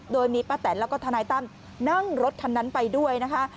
โดยมีป้าแตนแล้วก็ทนายตั้มนั่งรถคันนั้นไปด้วยนะคะ